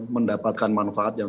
mendapatkan manfaat yang